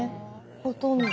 ほとんど。